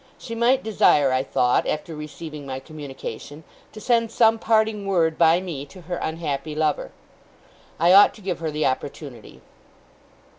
She might desire, I thought, after receiving my communication, to send some parting word by me to her unhappy lover. I ought to give her the opportunity.